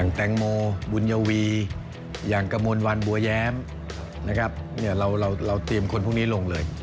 นะครับเนี่ยเราเตรียมคนพวกนี้ลงเลย